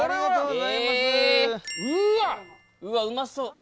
うわうまそう。